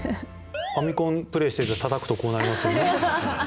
ファミコンプレーしててたたくとこうなりますよね。